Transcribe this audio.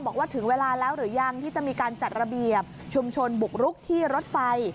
บอกว่าถึงเวลาแล้วหรือยังที่จะมีการจัดระเบียบชุมชนบุกรุกที่รถไฟ